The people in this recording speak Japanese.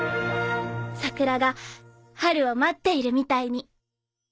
桜が春を待っているみたいに。